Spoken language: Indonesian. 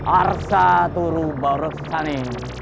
arsa turu borosani